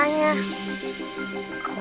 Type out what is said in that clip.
kan katanya kalo mati itu hidup selamanya